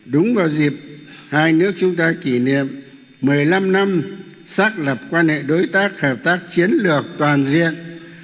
đúng vào dịp hai nước chúng ta kỷ niệm một mươi năm năm xác lập quan hệ đối tác hợp tác chiến lược toàn diện